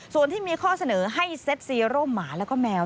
ส่วนที่มีข้อเสนอให้เซ็ตซีร่มหมาแล้วก็แมว